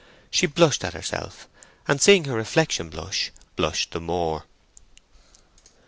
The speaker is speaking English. She blushed at herself, and seeing her reflection blush, blushed the more.